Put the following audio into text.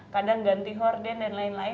kadang ganti horden dan lain lain